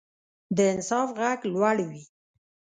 د انصاف غږ لوړ وي